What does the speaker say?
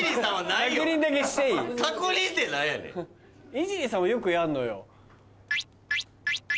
イジリーさんはよくやんのよ。